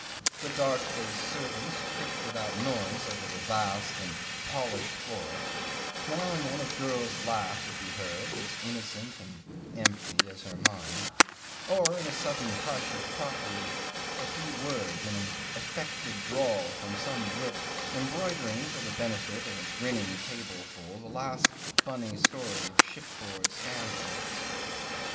The dark faced servants tripped without noise over the vast and polished floor; now and then a girl's laugh would be heard, as innocent and empty as her mind, or, in a sudden hush of crockery, a few words in an affected drawl from some wit embroidering for the benefit of a grinning tableful the last funny story of shipboard scandal.